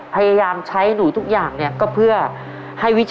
พยายามใช้หนูทุกอย่างเนี่ย